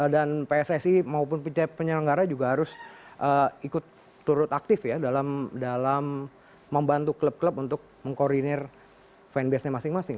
pssi maupun penyelenggara juga harus ikut turut aktif ya dalam membantu klub klub untuk mengkoordinir fanbase nya masing masing